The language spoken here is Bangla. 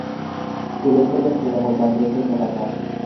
তুলে ধরবেন তৃণমূল কংগ্রেসের পতাকা।